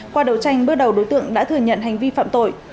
qua đấu tranh bước đầu đối tượng đã thừa nhận hành vi phạm tội